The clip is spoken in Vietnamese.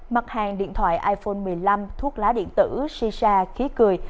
mặt hàng điện thoại iphone một mươi năm thuốc lá điện tử xì xa khí cười